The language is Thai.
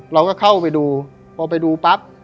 เราก็เข้าไปดูพอไปดูปั๊บ